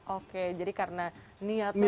oke jadi karena niatnya memang sudah